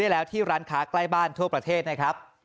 ร้านขาใกล้บ้านทั่วประเทศนะครับ